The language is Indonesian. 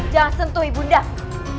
jangan sentuh ibundaku